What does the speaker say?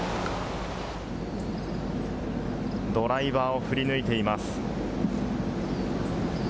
ドライバーを振り抜いています。